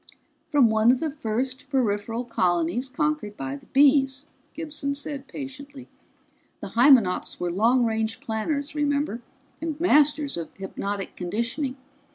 "From one of the first peripheral colonies conquered by the Bees," Gibson said patiently. "The Hymenops were long range planners, remember, and masters of hypnotic conditioning.